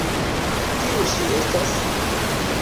Kiu ŝi estas?